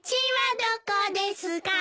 「どこですか」